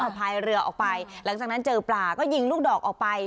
พายเรือออกไปหลังจากนั้นเจอปลาก็ยิงลูกดอกออกไป